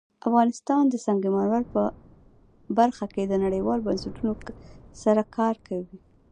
افغانستان د سنگ مرمر په برخه کې نړیوالو بنسټونو سره کار کوي.